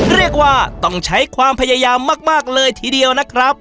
เรียกว่าต้องใช้ความพยายามมากเลยทีเดียวนะครับ